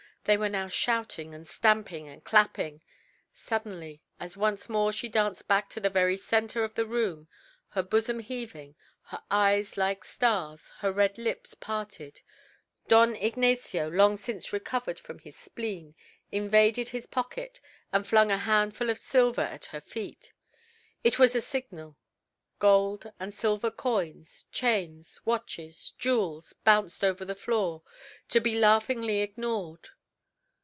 They were now shouting and stamping and clapping. Suddenly, as once more she danced back to the very center of the room, her bosom heaving, her eyes like stars, her red lips parted, Don Ignacio, long since recovered from his spleen, invaded his pocket and flung a handful of silver at her feet. It was a signal. Gold and silver coins, chains, watches, jewels, bounced over the floor, to be laughingly ignored.